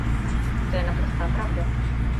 To je naprostá pravda.